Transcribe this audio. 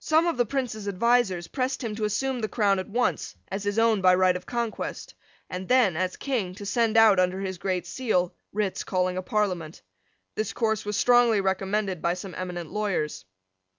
Some of the Prince's advisers pressed him to assume the crown at once as his own by right of conquest, and then, as King, to send out, under his Great Seal, writs calling a Parliament. This course was strongly recommended by some eminent lawyers.